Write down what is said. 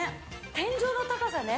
天井の高さね。